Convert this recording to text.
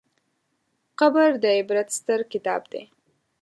قبر د عبرت ستر کتاب دی.